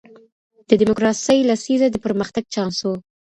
د ډیموکراسۍ لسیزه د پرمختګ چانس و.